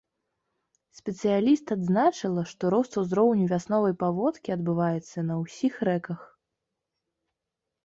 Спецыяліст адзначыла, што рост узроўню вясновай паводкі адбываецца на ўсіх рэках.